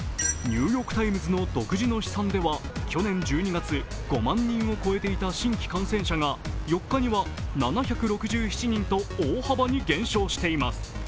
「ニューヨーク・タイムズ」の独自の試算では去年１２月５万人を超えていた新規感染者が４日には７６７人と大幅に減少しています。